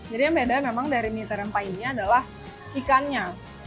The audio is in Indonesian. jadi yang beda memang dari mie tarempa ini adalah ikannya